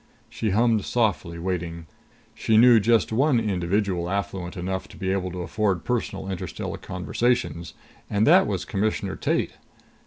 She hummed softly, waiting. She knew just one individual affluent enough to be able to afford personal interstellar conversations; and that was Commissioner Tate.